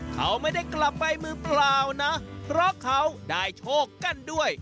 เขาไม่ได้กลับไปมือเปล่านะเพราะเขาได้โชคกันด้วย